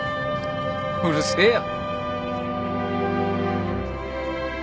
うるせえよ。